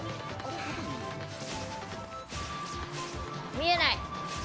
見えない。